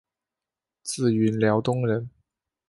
自云辽东人。